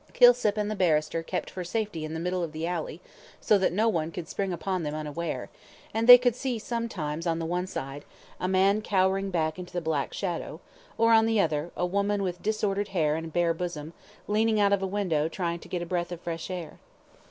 Kilsip and the barrister kept for safety in the middle of the alley, so that no one could spring upon them unaware, and they could see sometimes on the one side, a man cowering back into the black shadow, or on the other, a woman with disordered hair and bare bosom, leaning out of a window trying to get a breath of fresh air.